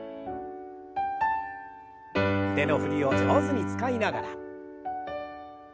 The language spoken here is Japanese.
腕の振りを上手に使いながら。